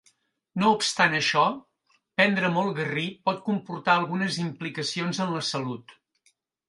No obstant això, prendre molt garri pot comportar algunes implicacions en la salut.